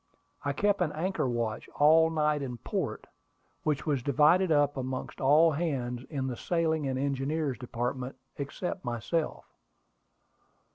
I kept an anchor watch all night in port, which was divided up amongst all hands in the sailing and engineer's department, except myself.